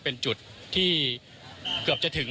เป็นจุดที่เกือบจะถึง